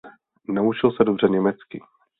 Naučil se dobře německy.